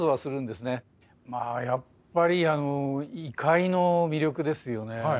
まあやっぱりあの異界の魅力ですよね。